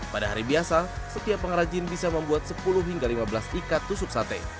pada hari biasa setiap pengrajin bisa membuat sepuluh hingga lima belas ikat tusuk sate